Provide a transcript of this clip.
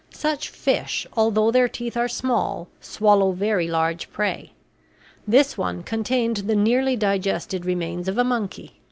Such fish, although their teeth are small, swallow very large prey. This one contained the nearly digested remains of a monkey.